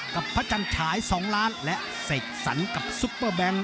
กับพระจันฉาย๒ล้านและเสกสรรกับซุปเปอร์แบงค